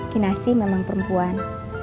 kinasi memang perempuan